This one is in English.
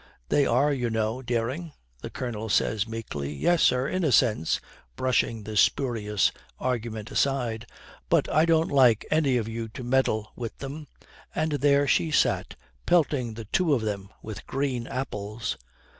'They are, you know, Dering,' the Colonel says meekly. 'Yes, sir, in a sense,' brushing the spurious argument aside, 'but I don't like any of you to meddle with them. And there she sat, pelting the two of them with green apples.'